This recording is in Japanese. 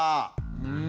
うん。